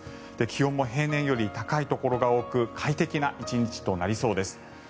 気温も平年より高いところが多く快適な１日となりそうです。